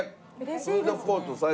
フードコート最高。